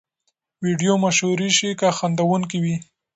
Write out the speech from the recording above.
ویډیو مشهورې شي که خندوونکې وي.